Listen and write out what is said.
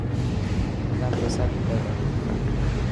منا پيسا کپي تا.